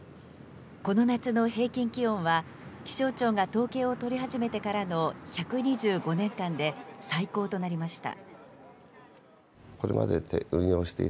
この夏の平均気温は、気象庁が統計を取り始めてからの１２５年間で最高となりました。